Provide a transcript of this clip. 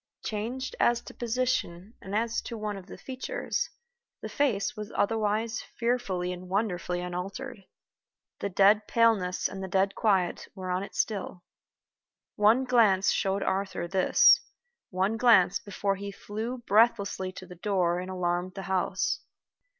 Changed as to position and as to one of the features, the face was otherwise fearfully and wonderfully unaltered. The dead paleness and the dead quiet were on it still. One glance showed Arthur this one glance before he flew breathlessly to the door and alarmed the house.